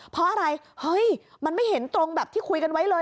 เพราะอะไรเฮ้ยมันไม่เห็นตรงแบบที่คุยกันไว้เลย